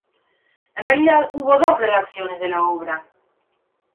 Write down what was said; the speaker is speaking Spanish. En realidad hubo dos redacciones de la obra.